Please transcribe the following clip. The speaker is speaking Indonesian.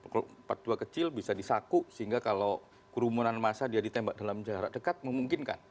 kalau empat dua kecil bisa disaku sehingga kalau kerumunan masa dia ditembak dalam jarak dekat memungkinkan